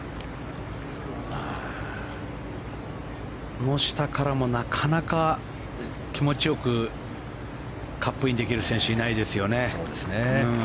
この下からもなかなか気持ち良くカップインできる選手がいないですよね。